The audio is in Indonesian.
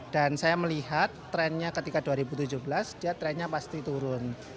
dan saya melihat trennya ketika dua ribu tujuh belas dia trennya pasti turun